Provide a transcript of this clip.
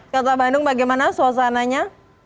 kota bandung bagaimana suasananya